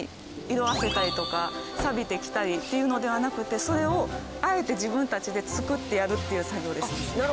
色あせたりとかさびてきたりっていうのではなくてそれをあえて自分たちで作ってやるっていう作業ですね。